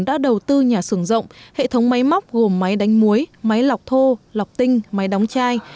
đã đầu tư nhà xưởng rộng hệ thống máy móc gồm máy đánh muối máy lọc thô lọc tinh máy đóng chai